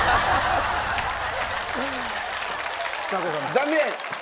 残念！